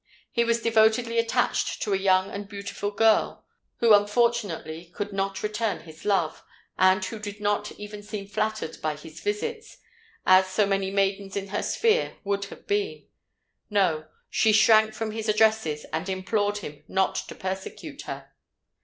He was devotedly attached to a young and beautiful girl who unfortunately could not return his love, and who did not even seem flattered by his visits, as so many maidens in her sphere would have been. No—she shrank from his addresses, and implored him not to persecute her!